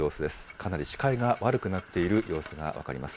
かなり視界が悪くなっている様子が分かります。